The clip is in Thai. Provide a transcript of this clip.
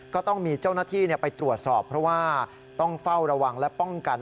ก็ต้องมีเจ้าหน้าที่ไปตรวจสอบเพราะว่าต้องเฝ้าระวังและป้องกัน